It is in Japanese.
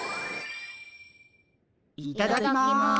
いただきます。